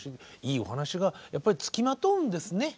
いいお話がやっぱり付きまとうんですね。